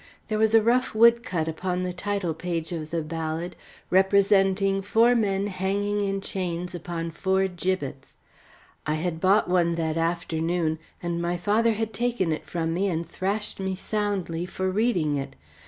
There was a rough woodcut upon the title page of the ballad representing four men hanging in chains upon four gibbets. I had bought one that afternoon, and my father had taken it from me and thrashed me soundly for reading it.